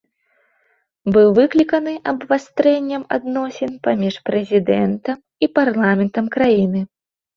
Быў выкліканы абвастрэннем адносін паміж прэзідэнтам і парламентам краіны.